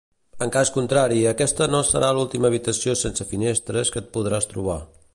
En cas contrari, aquesta no serà l'última habitació sense finestres que et podràs trobar.